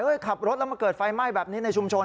ขับรถแล้วมาเกิดไฟไหม้แบบนี้ในชุมชน